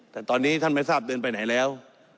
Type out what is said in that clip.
แต่ตอนนี้ท่านไม่ทราบเดินไปไหนแล้ว